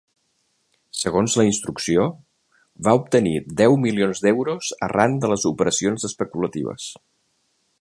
Segons la instrucció, va obtenir deu milions d’euros arran de les operacions especulatives.